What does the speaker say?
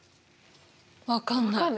分かんない。